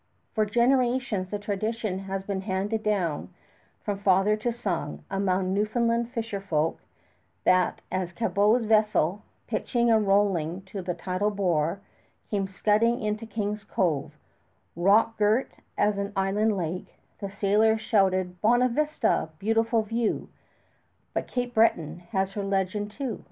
For generations the tradition has been handed down from father to son among Newfoundland fisher folk that as Cabot's vessel, pitching and rolling to the tidal bore, came scudding into King's Cove, rock girt as an inland lake, the sailors shouted "Bona Vista Beautiful View"; but Cape Breton has her legend, too.